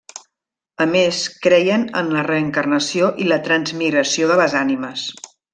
A més, creien en la reencarnació i la transmigració de les ànimes.